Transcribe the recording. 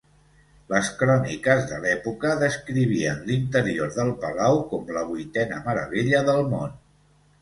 Les cròniques de l'època descrivien l'interior del Palau com la vuitena meravella del món.